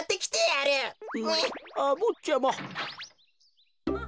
あっぼっちゃま。